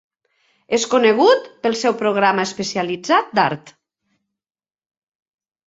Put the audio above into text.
És conegut pel seu programa especialitzat d'art.